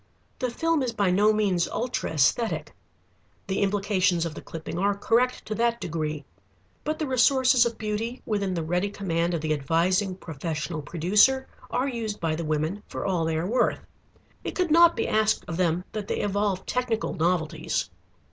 The film is by no means ultra æsthetic. The implications of the clipping are correct to that degree. But the resources of beauty within the ready command of the advising professional producer are used by the women for all they are worth. It could not be asked of them that they evolve technical novelties.